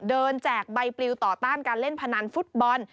แจกใบปลิวต่อต้านการเล่นพนันฟุตบอล